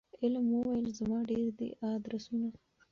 علم وویل زما ډیر دي آدرسونه